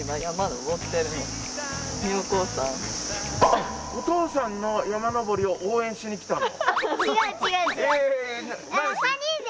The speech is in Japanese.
あっお父さんの山登りを応援しにきたの？